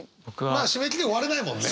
まあ締め切り追われないもんね！